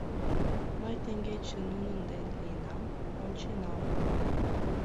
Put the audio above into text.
Мый теҥгече нунын дене лийынам, онченам.